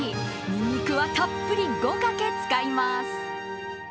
ニンニクはたっぷり５かけ使います。